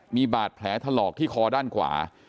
มีบาดแผลถลอกที่คอด้านขวา